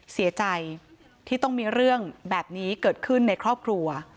เสียใจที่ต้องมีเรื่องแบบนี้เกิดขึ้นในครอบครัว